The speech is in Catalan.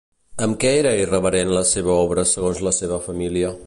Amb què era irreverent la seva obra segons la seva família?